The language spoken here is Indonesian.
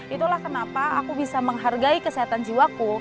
itulah kenapa aku bisa menghargai kesehatan jiwaku